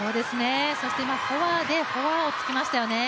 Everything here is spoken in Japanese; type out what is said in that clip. そしてフォアでフォアを突きましたよね。